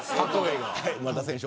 村田選手